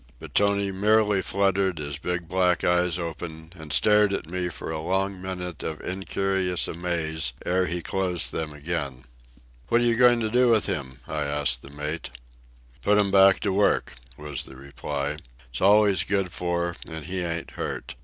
But Tony merely fluttered his big black eyes open and stared at me for a long minute of incurious amaze ere he closed them again. "What are you going to do with him?" I asked the mate. "Put 'm back to work," was the reply. "It's all he's good for, and he ain't hurt.